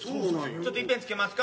ちょっといっぺん着けますか？